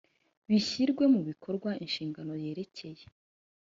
bishyirwe mu bikorwa inshingano yerekeye